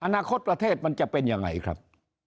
อนาคตประเทศมันจะเป็นยังไงครับ